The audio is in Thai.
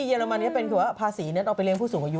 เรมันจะเป็นคือว่าภาษีนั้นเอาไปเลี้ผู้สูงอายุ